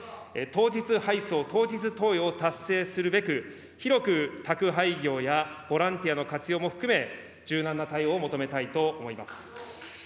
当日配送、当日投与を達成するべく、広く宅配業やボランティアの活用も含め、柔軟な対応を求めたいと思います。